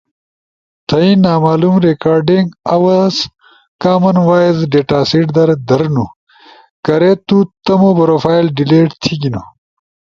تھئی نامعلوم ریکارڈنگ آواز کامن وائس ڈیٹاسیٹ در دھرنو، کارے تو تمو پروفائل ڈیلیٹ تھیگینو